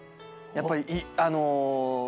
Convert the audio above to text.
やっぱりあの。